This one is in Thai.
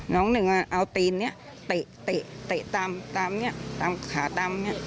น้องหนึ่งเอาตีนเนี่ยเตะตาม